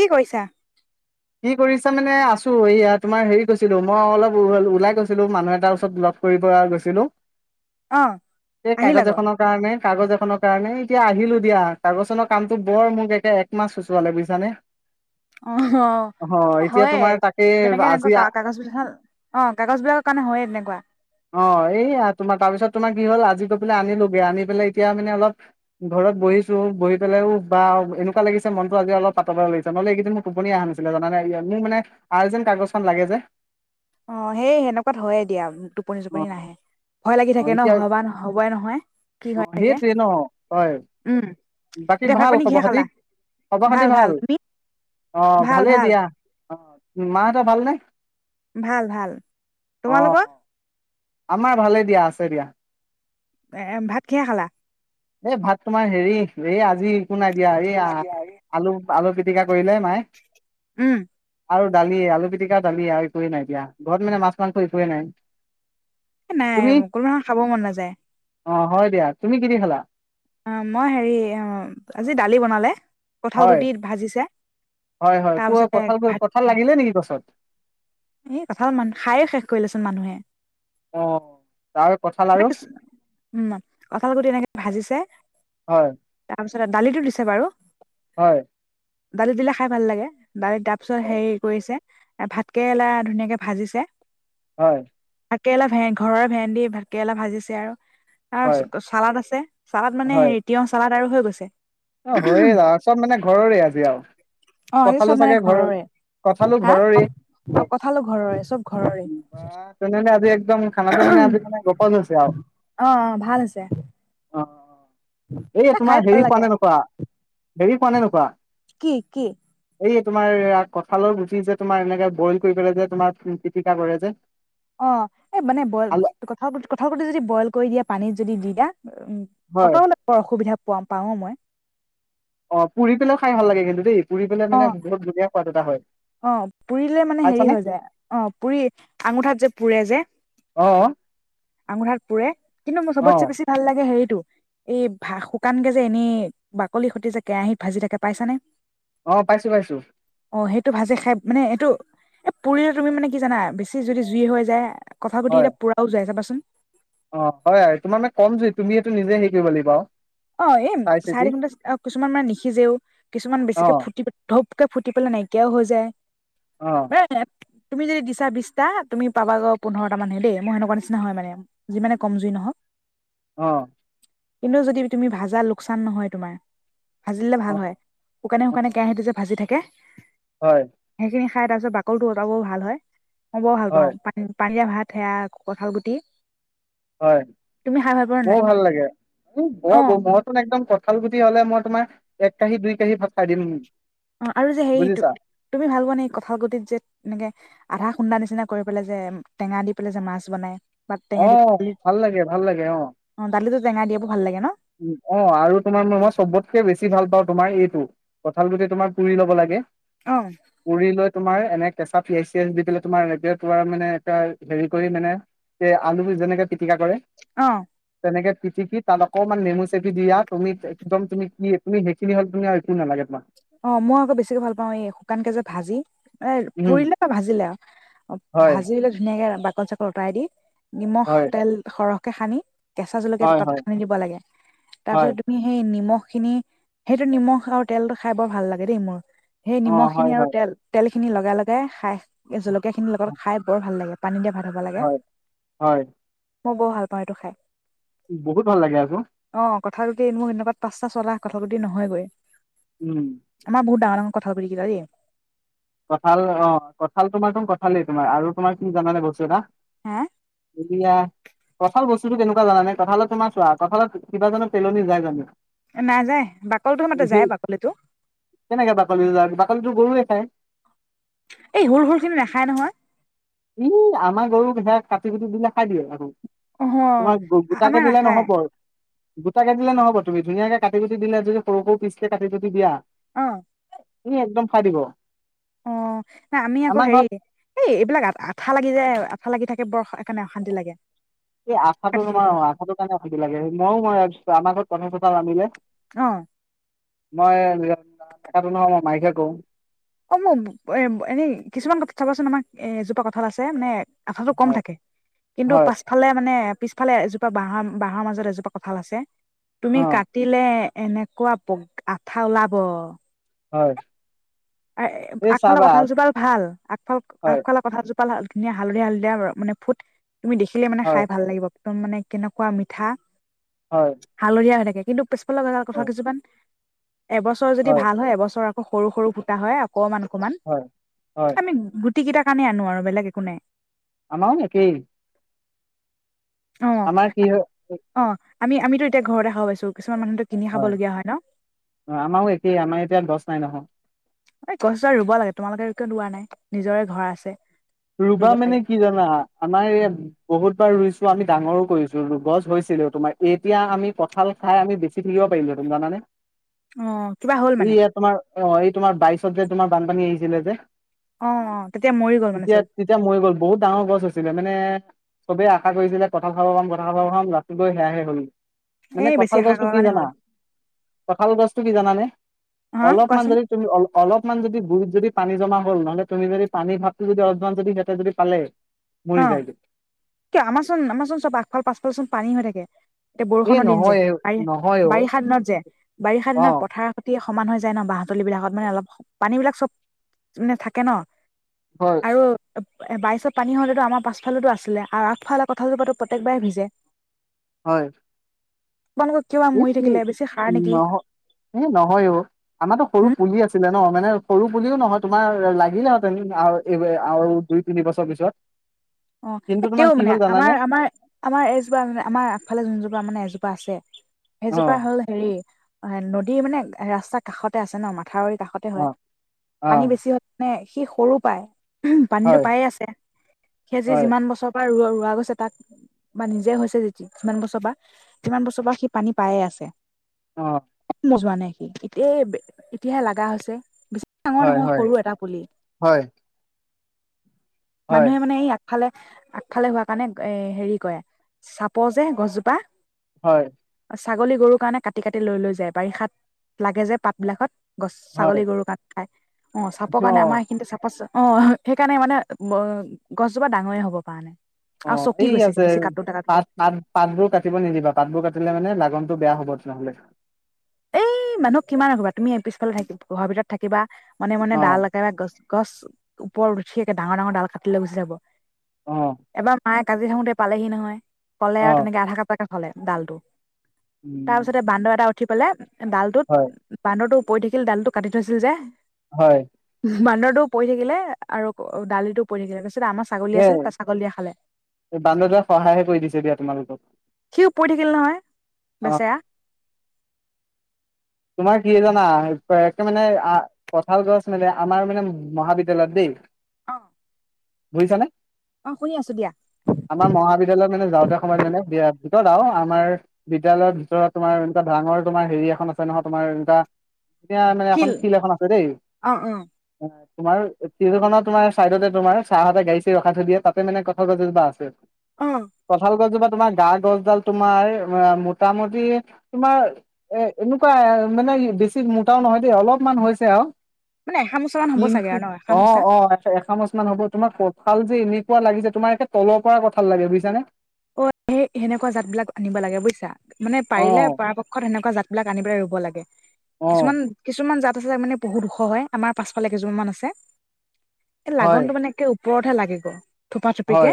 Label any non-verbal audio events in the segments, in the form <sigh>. কি কৰিছা? কি কৰিছা মানে আছো, এইয়া তোমাৰ হেৰি গৈছিলো মই অলপ ওলাই গৈছিলো মানুহ এটাৰ ওচৰত লগ কৰিব গৈছিলো। অ এই আহিল আক কাগজ এখনৰ কাৰণে, কাগজ এখনৰ কাৰণে এতিয়া আহিলো দিয়, কাগজ চনৰ কামতটো বৰ মোক একে একমাহ সুচোৰালে বুজিছানে অহ অ এতিয়া তোমাৰ তাকে এনেকে আজি, এনেকুৱা কাগজ বিলাক অ কাগজ বিলাকৰ কাৰণে হয়ে তেনেকুৱা অ এই তোমাৰ তাৰপিছত তোমাৰ কি হল আজি পেলাই আনিলোগে আনি পেলাই এতিয়া মানে অলপ ঘৰত বহিছো বহি পেলাই উ বা এনেকুৱ লাগিছে মনতো আজি অলপ পাতল পাতল লাগিছে, নহলে এইকেইিনোৰ টোপনি আহা নাচিলে <unintelligible> নাই মোৰ মানে আৰ্জেন্ট কাগজ খন লাগে যে অ সেই সেনেকুৱাত হয়য়ে দিয়া অ টোপনি-চোপনি নাহে, ভয় লাগি অ থাকে নহ এতিয়া হয় বা নহয় কি অ হৈ থাকে, সেইটোৱে ন হয় উম বাকী এতিয়া ভাত ভাল পানী কিহে খবৰ খাতি, খালা? খবৰ খাতি ভাল? অ ভাল ভালেই ভাল দিয়া, অ মাঁহতৰ ভালনে? ভাল ভাল। অ তোমালোকৰ? আমাৰ ভালে দিয়া, আছো দিয়া। ভাত কিহে খালা? এ ভাত তোমাৰ হেৰি এই আজি একো নাই দিয়া, এই আলু-আলু পিটিকা কৰিলে নাই উম ।আৰু দালিয়ে আলু পিটিকা দালিয়ে আৰু একোৱে নাই দিয়া, ঘৰত মানে মাছ-মাংস একোৱে নাই। নাই তুমি <unintelligible> খাবও মন নাযায়। অ হয় দিয়া, তুমি কি দি খালা? অ মই হেৰি অ আজি দালি বনালে কঁঠাল হয় গুটি ভাজিছে হয় হয় তোৰ তাৰপিছতে কঁঠাল ভাত কঁঠাল লাগিলে নেকি গছত? এই কথা মান খায়ে শেষ কৰিলেচোন মানুহে। অ তাৰ কঁঠাল মে আৰু কিছু উম কঁঠাল কুটি এনেকে ভাজিছে হয়। তাৰপিছত দালিটো দিছে বাৰু হয় দালি দিলে খাই ভাল লাগে। দাৰি তাৰ পিছত হেৰি কৰিছে ভাত কেৰেলা ধুনীয়াকে ভাজিছে। হয়। ভাতকেৰেলা ভে ঘৰৰ ভেন্দি ভাতকেৰেলা ভাজিছে আৰু। হয় তাৰ চালাদ আছে চালাদ মানে হয় তিয়ঁহ চালাদ। বাৰু হৈ গৈছে। অ হয়য়ে য চব মানে ঘৰৰে আজি আৰু অ আজি কঠালো চব মানে চাগে ঘৰ ঘৰৰে কঠালো হা ঘৰৰে অ কঁঠালো ঘৰৰে চব ঘৰৰে বা তেনেহঁলে আজি একদম খানাটো মানে আজি মানে গপছ আছে আৰু। অ অ ভাল হৈছে অ অ অ এই এ খাই তোমাৰ ভাল হেৰি পোৱা লাগে নাই নয়। হেৰি খোৱা নে নোখোৱা কি কি । এই তোমাৰ কঁঠালৰ গুটি যে তোমাৰ এনেকে বইল কৰি পেললে যে তোমাৰ পিটিকা কৰে যে। অ এই মানে বইল আলু ক কঠাল গুটি যদি বইল। কৰি দিয়া পানীত যদি দি দিয়া। উম হয় অটও নাপাওঁ অসুবিধা। প পাওঁ মই অ পুৰি পেলাইও খাই ভাল লাগে কিন্তু দেই। পুৰি পেলাই অ মানে বহুত ধুনীয়া সোৱাদ এটা হয়। অ পুৰিলে মানে হেৰি পাইছানে হৈ যায় অ পুৰি আঙুঠাত যে পুৰে যে। অ আঙুঠাত পুৰে। কিন্তু অ চবতছে বেছি ভাল লাগে হেৰি। টো এই ভা শুকান কে যে এনেই বাকলি সতি যে কেৰাহিত ভাজি থাকে পাইছানে। অ পাইছোঁ পাইছোঁ। অ সেই টো ভাজে খাই মানে এইটো এ পুৰিলে তুমি মানে কি জানা বেছি যদি জুই হৈ যায়। কঠাঁল গুটি হয় কিটা পুৰাও যাই যাবাচোন। অ হয় তোমাৰ মানে কম জুই তুমি সিটো নিজে হেৰি কৰিব লাগিব আও। অ এম চাৰি ঘণ্টা কিছুমান মানে নিশিজেও কিছুমান অ বেছিকে ফুটি ধপকে ফুটি পেলাই নাইকিয়াও হৈ যায়। অ <unintelligible> তুমি যদি দিছা বিশটা তুমি পাবা আ পোন্ধৰটা মান হে দেই মই সেনেকুৱা নিচিনা হয় মানে যিমানে কম জুই নহওঁক। অ। ইনো যদি। তুমি ভাজা লোকচান নহয় তোমাৰ। ভাজি দিলে অ ভাল হয়, শুকানে অ শুকানে কেৰাহীটো যে ভাজি থাকে।। হয়। সেইখিনি খাই তাৰ পিছত বাকল টো অতৰাবও ভাল হয়। অ বৰ ভাল হয় পাওঁ পা পানিয়ীয়া ভাত। এয়া কঠেয়া কঁঠাল গুটি। হয়! তুমি খাই ভাল পোৱা নে নাই মোৰ ভাল লাগে বৰ। অ হোৱাটো নাই। একদম কঁঠাল গুটি হ'লে মই তোমাৰ, এক কাঁহী, দুই কাঁহী ভাত খাই দিম। অ আৰু যে সেই বুজিছা তুমি ভাল পোৱা নে কঠাল গুতিত যে এনেকে। আধা খুন্দা নিচিনা কৰি পেলাই যে টেঙা দি পেলাই যে মাছ বনায়। অ ভাল লাগে ভাল লাগে অ। তেঙা দিয়াবোৰ। ভাল লাগে ন উ অ আৰু তোমাৰ মই চবতকে বেছি ভাল পাওঁ তোমাৰ এইটো। কঁঠাল গুটি তোমাৰ পুৰি ল'ব লাগে। অহ। পুৰি লৈ তোমাৰ এনে কেঁচা পিঁয়াজ চিয়াজ দি পেলাই তোমাৰ ৰেডঅ তোমাৰ মানে এটা হেৰি কৰি মানে এ আলু যেনেকে। পিতিকা কৰে অ তেনেকে। পিতিকি তাৰ ল অকণমান নেমু চেপি দিয়া তুমি একদম তুমি কি একোৱে সেইখিনি হ'লে মানে একোৱে নালাগে তোমাক । অ মই আকৌ বেছিকে ভাল পাওঁ এই শুকান ক যে ভাজি এ উম পুৰিলে বা ভাজিলে আৰু অ হয় ভাজি পেলাই ধুনীয়াকে লি চাকলি অতৰাই দি। নিমখ হয় তেল সৰহ । কে সানি কেঁচা জলকীয়া এটা, হয় তাত হয় হয় সানি দিব লাগে হয় তাৰপিছত তুমি সেই নিমখ খিনি সেইটো নিমখ আৰু তেল খাই বৰ ভাল লাগে দেই মোৰ সেই অ নিমখ খিনি হয় আৰু হয় তেল তেল খিনি খিনি লগাই লগাই খাই এ জল কেখিনিৰ লগত খাই বৰ ভাল লাগে। পানী দেব । হয় হয় । মই বৰ ভাল পাওঁ এইটো খাই। বহুত ভাল লাগে আক। কঠালটোতে মোক এনেকুৱাত পাঁচটা ছয়টা কঠালগুটিত নহয়গৈ । উম । ডাঙৰ ডাঙৰ কঠালগুটি কেইটা দেই । কঁঠাল অ কঁঠাল তোমাৰটো কঁঠালেই তোমাৰ আৰু তোমাৰ কি জানানে বস্তু এটা। হা এতিয়া কঠাল গছ টোতো কেনেকুৱা জানানে কঁঠালত তোমাৰ চোৱা কঠালত কিবাজানো পেলনি যায় জানো? নাযায় বাকলটোৰ মতে সেই যায় বাকলিটো। গৰু এ খাই। এই সৰু সৰু খিনি নাখায় নহয়। ই আমাৰ গৰুক সেয়া কাটি কুটি দিলে খাই দিয়ে দেখোন। অ' তোমাক আমাৰ গোটাকে দিলে নাখায় নহ'ব। গোটাকে দিলে নহ'ব তুমি ধুনীয়াকে কাটি কুটি দিলে যদি সৰু সৰু পিচকে কাটি যদি দিয়া । অ' উই একদম। পাৰিব। অ না আমি আকৌ হেৰি এই এইবিলাক আঠা লাগি যে আঠা লাগি থাকে বৰ সেকানে অশান্তি লাগে। এই আঠাটো কাটি থাকিবলৈ নমাৰ আশাটো কাৰণে ভাবি লাগে ময়ো ম আমাৰ ঘৰত কথা চথা ৰানিলে অ মই নেকাটো নহয় মই মাইকে কওঁ। অ মোক এ এনেই কিছুমান কথা চাবাচোন আমাক এ এজোপা কঁঠাল আছে মানে। আঠাটো কম হয় থাকে। কিন্তু হয় পাছফালে মানে পিছফালে এজোপা বাঁহৰ বাঁহৰ মাজত এজোপা কঁঠাল আছে। তুমি অ কাটিলে। এনেকুৱা আঠা ওলাব। হয় এই আগফালৰ চাবা কঁঠালজোপা ভাল আগফাল হয় আগফালৰ কঁঠাল জোপা। পাল হাত ধুনীয়া হালধীয়া হালধীয়া মানে ফুট। তুমি দেখিলে মানে হয় খাই ভাল লাগিব। একদম মানে কেনেকুৱা মিঠা। হয় হালধীয়া হৈ থাকে। কিন্তু কব লগাৰ কথা হয় কিছুমান এবছৰ যদি ভাল হয় এবছৰ সৰু সৰু এ হয় আ অকমান অকমান হয় হয় আমি গুটি কেইটা সেইকাৰণে আনো আৰু বেলেগ একো নাই আমাৰো একেই অ আমাৰ কি হয়? অ আমি আমিতো, এতিয়া ঘৰতে খাব পাইছোঁ। হয়, আমাৰো একেই আমাৰ এতিয়া গছ নাই নহয়। এই গছ দাল ৰুব লাগে, তোমালোকে কিয় ৰোৱা নাই নিজৰে ঘৰ আছে। ৰুবা ৰুব মানে লাগে কি জানা আমাৰ ইয়াত বহুত বাৰ ৰুইছো, আমি ডাঙৰো কৰিছো, গছ হৈছিলে, তোমাৰ এতিয়া আমি কঁঠাল খাই আমি বেছি থাকিব পাৰিলোহেতেন জানানে। অ কিবা হ'ল এই মানে? তোমাৰ অ এই, তোমাৰ বাইচত যে তোমাৰ বানপানী আহিছিলে যে অ, অ তেতিয়া মৰি গ'ল মানে তেতিয়া, চব তেতিয়া মৰি গ'ল, বহুত ডাঙৰ গছ আছিলে মানে চবে আশা কৰিছিলে, কঠাল খাব পাম, কঠাল খাব পাম, ৰাতি গৈ সেইয়াহে হ'ল। মানে এই বেছি কঠাল আশা গছো, কৰাৰ কি কাৰণে জানা হ'ল কঠাল গছ তুমি জানানে? হা অলপমান, কোৱাচোন যদি তুমি অলপ অলপমান যদি গুৰিত যদি পানী জমা হ'ল, নহ'লে তুমি যদি পানী যদি, অলপমান যদি সিহঁতে যদি পালে অ মৰি যায়গে কিয়, আমাৰচোন, আমাৰচোন চব আগফালে, পাছফালে চোন পানী হৈ থাকে। এতিয়া এই বৰষুণৰ দিন যে, নহয় বাৰি নহয় অ বাৰিষা দিনত যে বাৰিষা অ দিনত পথাৰ খেতিয়ক সমান হৈ যায় ন বাহতলী বিলাকত, মানে অলপ পানী বিলাক চব মানে থাকে ন হয় আৰু বাইছত পানী হ'লে আমাৰ পাছফালেও টো আছিলে, আৰু আগফালে কঠালজোপাতো প্ৰত্যেকবাৰেই ভিজে। হয়। আপোনালোকৰ কিয় বা এ মৰি থাকিলে বেছি সাৰ নেকি নহ নহয়, অ আমাৰতো সৰু হুম পুলি আছিলে ন মানে সৰু পুলিও নহয় তোমাৰ লাগিলে হেতেন এই আৰু দুই, তিনি বছৰ পিছত অ, কিন্তু এ তোমাৰ তেওঁ কি মানে হ'ল জানানে আমাৰ, আমাৰ, আমাৰ এজোপা মানে আমাৰ আগফালে যোনজোপা মানে এজোপা আছে অ সেইজোপা হ'ল হেৰি অ, নদী মানে ৰাস্তাৰ কাষতে আছে ন, আমাৰ মথাউৰি কাষতে অ হয়, অ', পানী বেছি হয় মানে সি সৰু পায় পানীতো হয়, পায়ে আছে। আজি হয়, যিমান বছৰ ৰ ৰোৱা গৈছে তাক বা নিজে হৈছে যে যিমান বছৰ বা সিমান বছৰ বা সি পানী পায়ে আছে অ যোৱা নাই সি এতিয এতিয়াহে লাগা হৈছে ডাঙৰ হয়, নহয় হয়, সৰু এটা পুলি হয়, হয়, মানুহে মানে ইয়াক আগফালে আগফালে হোৱা কাৰণে এ হেৰি কয় চাপৰ যে গছজোপা হয় ছাগলী গৰু কাৰণে কাটি কাটি লৈ লৈ যায় বাৰিষাত লাগে যে পাত বিলাকত গছ হয়, ছাগলী গৰু গাত খাই অ চাপৰ কাৰণে অ', আমাৰ সেইখিনতে চাপ অ সেইকাৰণে মানে গছজোপা ডাঙৰেই হ'ব পৰা নাই অ আৰু চকি ঠিক গৈছে আছে বেছি কাটোতে কাটোতে পাত পাত পাতবোৰ কাটিব নিদিবা পাতবোৰ কাটিলে মানে লাগন টো বেয়া হব নহ'লে এই মানুহক কিমান ৰাখিবা তুমি এ পিছফালে থাকিব ঘৰৰ ভিতৰত থাকিবা মনে মনে ডাল অ', একেবাই গছ গছ ওপৰত উঠি ডাঙৰ ডাঙৰ ডাল কাটিলৈ গুচি যাব অ', এবাৰ মায়ে কাটি‌ থাকোতে পালেহি নহয় কলে আৰু অ', তেনেকে আধা কাপ হলে ডালটো তাৰপিছতে উম, বান্দৰ এটা উঠি পেলাই ডালটোত হয়, বান্দৰটো পৰি থাকিল দালটো কাটি থৈছিল যে হয় বান্দৰটো পৰি থাকিলে আৰু দালটো পৰি থাকিলে আমাৰ ছাগলী এই আছিল ত ছাগলীয়ে খালে এই বান্দৰটোৱে সহায়হে কৰি দিছে দিয়া তোমালোকক সি ও পৰি থাকিল নহয় অ', বেচেৰা তোমাৰ কি জানা একে মানে কঠাল গছ মানে আমাৰ মানে মহাবিদ্যয়ালয়ত দেই অ বুজিছানে? অ শুনি আছো দিয়া আমাৰ মহাবিদ্যালয়ত‌‌ মানে। যাওঁতে সময়ত মানে বিয় ভিতৰত আও আমাৰ বিদ্যালয়ৰ ভিতৰত তোমাৰ এনেকুৱা ডাঙৰ তোমাৰ হেৰি এখন আছে। নহয় তোমাৰ এটা। এতিয়া মানে এখন শিল এখন আছে দেই। অ অ তোমাৰ ফিলখনৰ তোমাৰ চাইডতে তোমাৰ চাৰহঁতে গাড়ী চাৰী ৰখাই থৈ দিয়ে তাতে মানে কঠাল গছ এজোপা আছে। অ কঁঠাল গছজোপাত‌ তোমাৰ গা-গছডাল তোমাৰ মোটামুটি তোমাৰ এ এনেকুৱা মানে বেছি মোটাও নহয় দেই অলপমান হৈছে আৰু। মানে এসামোচা মান হ'ব চাগে কিন্তু, আৰু ন অ, এসামোচা অ এখন কি হ'ব তোমাৰ কপাল যে এনেকুৱা লাগিছে তোমাৰ একে তলৰ পৰা কঁঠাল লাগে বুইছানে। অ সেই সেনেকুৱা জাত বিলাক আনিব লাগে বুজিছা। মানে অ পাৰিলে পৰাপক্ষত সেনেকোৱা জাতবিলাক আনি পেলাই ৰুব লাগে। অ কিছুমান কিছুমান জাত। তাৰ মানে বহুত ওখ হয় আমাৰ পাছফালে কেইজোপা মান আছে। এই হয় লাগনটো মানে একে ওপৰতহে লাগে গ'ই। থোপাথোপি কে হয়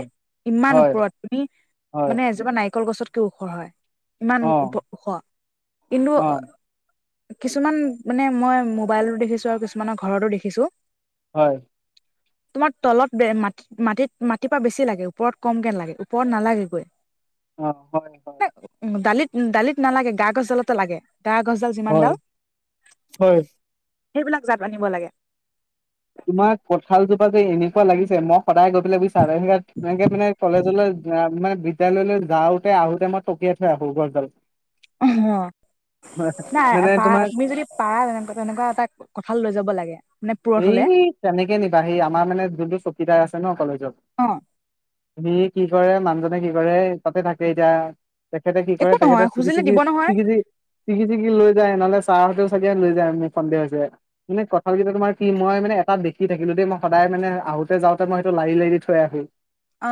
ইমান হয়, ওপৰত। হয়, মানে এজোপা নাই। নাৰিকল গছতকেও ওখ হয়। ইমান অ', ওখ কিন্তু। অ', কিছুমান মানে মই মোবাইলত দেখিছো আৰু কিছুমানৰ ঘৰতো দেখিছো। হয়। তোমাৰ তলত মাটিত মাটিত মাটিৰ পৰা বেছি লাগে ওপৰত কম কে লাগে। ওপৰত নালাগে গৈ। অ', হয়, হয়, দালিত উম দালিত নালাগে গা গছ দালত লাগে। গা গছডাল হয়, যিমানডাল। হয়, সেইবিলাক জাত আনিব লাগে। তোমাৰ কঁঠালজোপা যে এনেকুৱা লাগিছে মই সদায় গৈ পেলাই <unintelligible> াধ তেনেকে মানে কলেজলৈ যোৱা মানে। বিদ্যালয়লৈ যাওঁতে আহোতে মই টকিয়াই থৈ আহোঁ গছডাল। অ, নাই মানে পাই তোমাৰ আপোনি যদি পাই তেনেকে তেনেকুৱা এটা কঠাল লৈ যাব লাগে। মানে পুৰঠ এই হলে কেনেকে নিবা সেই আমাৰ মানে যোনটো সিটাই <unintelligible> আছে ন কলেজ যাব <inaudible> <unintelligible> অ <inaudible> সি কি কৰে মানুহজনে কি কৰে তাতে থাকে এতিয়া তেখেতে কি কৰে একো তেখেতে নহয় চিঙি খুজিলে চিঙি দিব নহয় চিঙি চিঙি চিঙি লৈ যায় নহলে চাহঁতেও চাগে লৈ যায় মোৰ সন্দেহ হৈছে মানে কঠাঁল কেইটা তোমাৰ সি মই মানে এটা দেখি থাকিলো দেই মই সদায় মানে আহোতে যাওঁতে মই সেইটো লাৰি লাৰি থৈ আহো অ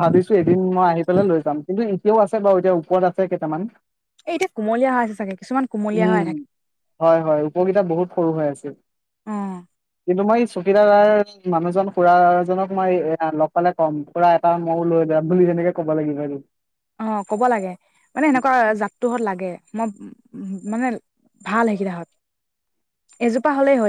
ভাবিছো এদিন মই আহি পেলাই লৈ যাম কিন্তু এও আছে বাৰু এতিয়া ওপৰত আছে কেইটামান এই এতিয়া কুমলীয়া হৈ আছে চাগে কিছুমান কুমলীয়া হৈ উম থাকে হয় হয় ওপৰকেইটা বহুত সৰু হৈ আছিল উম কিন্তু মই চকীদাৰ মানুহজন খুৰা এজনক মই এ লগ পালে কম খুৰা এটা ময়ো লৈ যাম বুলি তেনেকে ক'ব লাগিব বাৰু অ ক'ব লাগে মানে এনেকুৱা জাতটো হত লাগে মই উ মানে ভাল সেইকিলাহত এজোপা হলেই হয়